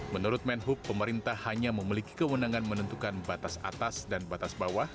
menurut menhub pemerintah hanya memiliki kewenangan menentukan batas atas dan batas bawah